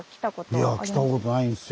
いや来たことないんですよ。